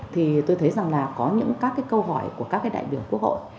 thì tôi thấy rằng là có những các cái câu hỏi của các cái đại biểu quốc hội